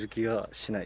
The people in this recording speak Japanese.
しない？